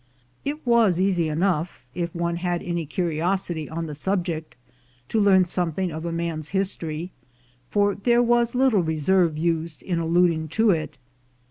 It was easy enough, if one had any curiosity on the subject, to learn something of a man's history, for there was little reserve used in alluding to it.